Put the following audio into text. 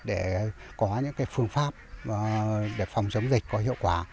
để có những phương pháp để phòng chống dịch có hiệu quả